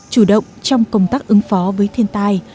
chủ động trong công tác ứng phó với thiền tài